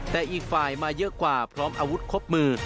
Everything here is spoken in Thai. แต่อีกฝ่ายมาเยอะกว่าพร้อมอาวุธครบมือ